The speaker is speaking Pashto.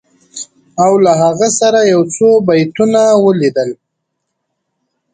او له هغه سره یو څو بیتونه ولیدل